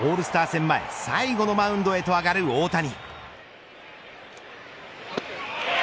戦前最後のマウンドへと上がる大谷。